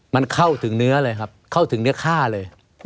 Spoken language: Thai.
มันเข้าถึงเนื้อเลยครับเข้าถึงเนื้อค่าเลย